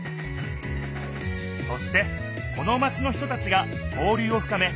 そしてこのマチの人たちが交流をふかめ